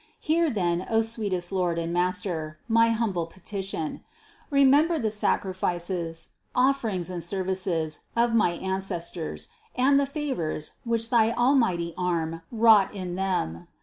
Hear then, O sweetest Lord and Master, my humble petition : remember the sacrifices, offerings and services of my ancestors and the favors, which thy almighty arm wrought in them.